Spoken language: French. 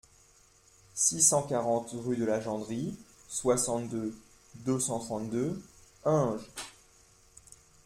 six cent quarante rue de la Jandrie, soixante-deux, deux cent trente-deux, Hinges